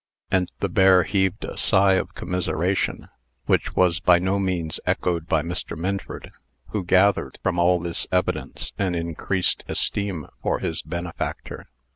And the bear heaved a sigh of commiseration; which was by no means echoed by Mr. Minford, who gathered, from all this evidence, an increased esteem for his benefactor.